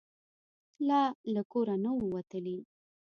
لا له کوره نه وو وتلي.